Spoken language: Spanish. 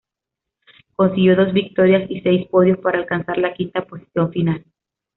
Consiguió dos victorias y seis podios, para alcanzar la quinta posición final.